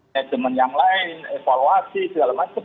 manajemen yang lain evaluasi segala macam